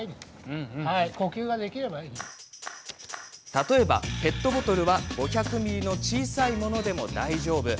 例えばペットボトルは５００ミリの小さいものでも大丈夫。